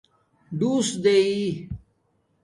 ڈݸس دائئ